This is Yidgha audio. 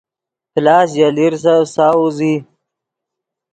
پلاس ژے لیرسف ساؤز ای